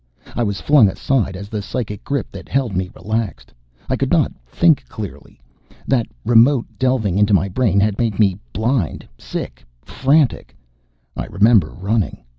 I was flung aside as the psychic grip that held me relaxed. I could not think clearly. That remote delving into my brain had made me blind, sick, frantic. I remember running....